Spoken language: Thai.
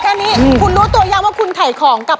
แล้ววันนี้ผมมีสิ่งหนึ่งนะครับเป็นตัวแทนกำลังใจจากผมเล็กน้อยครับ